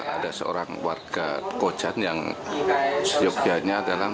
ada seorang warga kocan yang siobhianya adalah mau